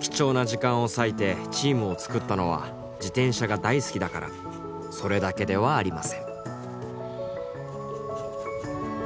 貴重な時間を割いてチームを作ったのは自転車が大好きだからそれだけではありません。